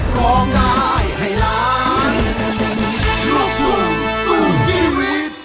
สวัสดีครับ